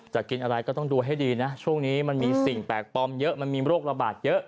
กินอะไรก็ต้องดูให้ดีนะช่วงนี้มันมีสิ่งแปลกปลอมเยอะมันมีโรคระบาดเยอะ